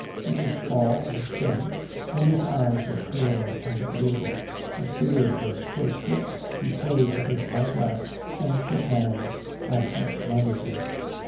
He was tall and thin, and his eyes were pale and agreeable; his beard was close clipped, he played with his eye glass, and shook hands absent mindedly.